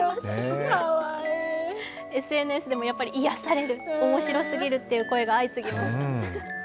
ＳＮＳでも、やっぱり癒される、面白すぎるという声が相次ぎました。